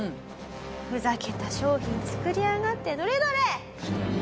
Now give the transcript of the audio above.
「ふざけた商品作りやがってどれどれ？」。